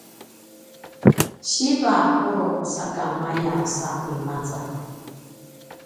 siva a pulu’ sakamaya sa i maza